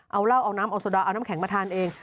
เอาเหล้าเอาน้ำเอาโซดาเอาน้ำแข็งมาทานเอง